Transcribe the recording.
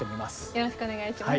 よろしくお願いします。